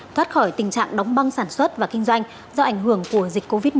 thoát khỏi tình trạng đóng băng sản xuất và kinh doanh do ảnh hưởng của dịch covid một mươi